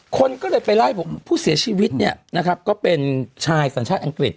คนก็เลยไปไล่ผู้เสียชีวิตก็เป็นชายสัญชาติอังกฤษ